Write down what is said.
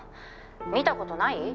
見たことない？